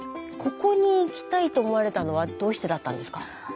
ここに行きたいと思われたのはどうしてだったんですか？